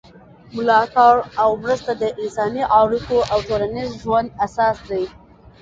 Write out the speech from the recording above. ملاتړ او مرسته د انساني اړیکو او ټولنیز ژوند اساس دی.